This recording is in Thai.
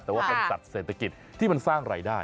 แต่ว่าเป็นสัตว์เศรษฐกิจที่มันสร้างรายได้